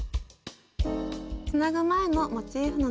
つなぐ前のモチーフの並びです。